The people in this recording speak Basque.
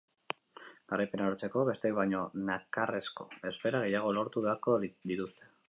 Garaipena lortzeko, besteek baino nakarrezko esfera gehiago lortu beharko dituzte.